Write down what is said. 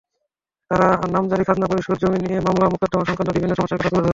তাঁরা নামজারি, খাজনা পরিশোধ, জমি নিয়ে মামলা-মোকদ্দমাসংক্রান্ত বিভিন্ন সমস্যার কথা তুলে ধরেন।